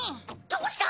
どうした？